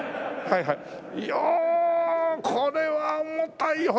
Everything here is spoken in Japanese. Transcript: はいはい。よ！